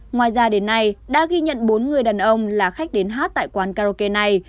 ngoài ra đến nay đã ghi nhận bốn người đàn ông là khách đến hát tại quán karaoke này